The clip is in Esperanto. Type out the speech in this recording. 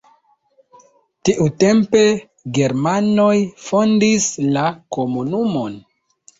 Tiutempe germanoj fondis la komunumon.